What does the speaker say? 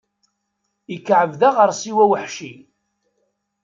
Ikεeb d aɣersiw aweḥci.